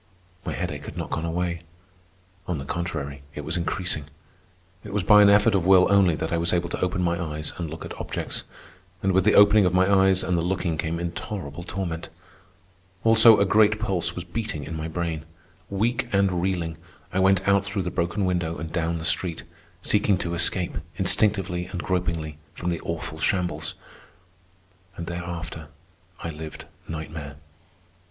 My headache had not gone away. On the contrary, it was increasing. It was by an effort of will only that I was able to open my eyes and look at objects. And with the opening of my eyes and the looking came intolerable torment. Also, a great pulse was beating in my brain. Weak and reeling, I went out through the broken window and down the street, seeking to escape, instinctively and gropingly, from the awful shambles. And thereafter I lived nightmare.